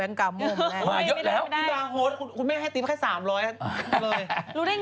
มาเยอะแล้วคุณแม่งให้ติ๊บแค่๓๐๐บาทเลยไปด้วยเหรอ